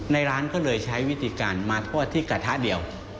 ร้านก็เลยใช้วิธีการมาทอดที่กระทะเดียว